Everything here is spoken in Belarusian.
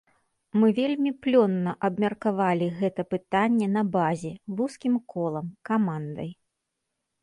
Мы вельмі плённа абмеркавалі гэта пытанне на базе, вузкім колам, камандай.